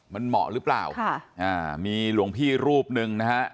มันเหมาะหรือเปล่าค่ะอ่ามีหลวงพี่รูปหนึ่งนะฮะ